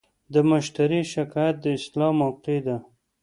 د مشتری شکایت د اصلاح موقعه ده.